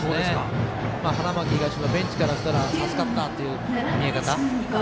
花巻東のベンチからしたら助かったという見え方。